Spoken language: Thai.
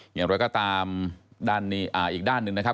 อย่างไรก็ตามอีกด้านหนึ่งนะครับ